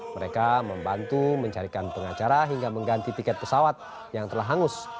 mereka membantu mencarikan pengacara hingga mengganti tiket pesawat yang telah hangus